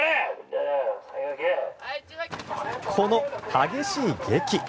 この激しい檄。